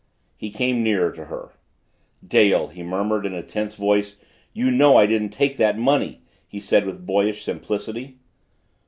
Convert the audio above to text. He came nearer to her. "Dale!" he murmured in a tense voice. "You know I didn't take that money!" he said with boyish simplicity.